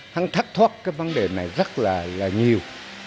hắn thác thoát vấn đề này rất là nhiều